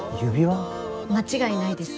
間違いないです。